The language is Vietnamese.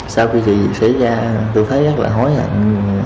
sau khi xảy ra tôi thấy rất là hối hận